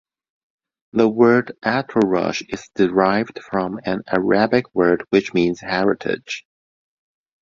The word Alturaash is derived from an Arabic word which means Heritage.